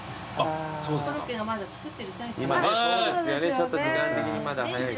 ちょっと時間的にまだ。